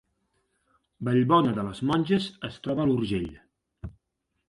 Vallbona de les Monges es troba a l’Urgell